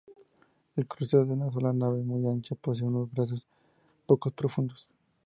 El crucero de una sola nave muy ancha, posee unos brazos poco profundos.